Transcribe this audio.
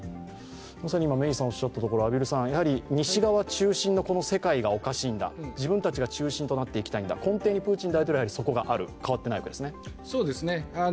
まさにメイさんおっしゃったとおり、西側中心のこの世界がおかしいんだ、自分たちが中心となっていきたいんだ、根底にプーチン大統領はそこが変わっていないわけですね。